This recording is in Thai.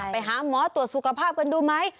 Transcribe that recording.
ไปหาหมอตรวจสุขภาพกันดูไหม